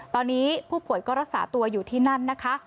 ตอนนี้ผู้ป่วยก็รักษาตัวอยู่ที่นั่นนะคะ